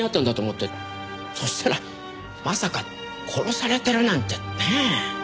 そうしたらまさか殺されてるなんてねえ。